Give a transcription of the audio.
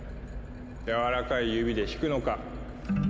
やわらかい指で弾くのか。